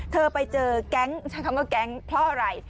ไปเจอแก๊งใช้คำว่าแก๊งเพราะอะไร